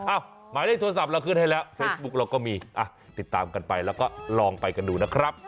หมายเลขโทรศัพท์เราขึ้นให้แล้วเฟซบุ๊กเราก็มีอ่ะติดตามกันไปแล้วก็ลองไปกันดูนะครับ